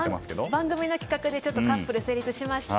番組の企画でカップル成立しまして。